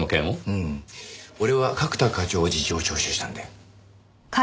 うーん俺は角田課長を事情聴取したんで。